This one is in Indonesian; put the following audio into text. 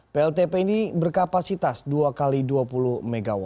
pltp ini berkapasitas dua x dua puluh mw